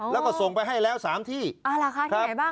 แล้วก็ส่งไปให้แล้ว๓ที่ที่ไหนบ้าง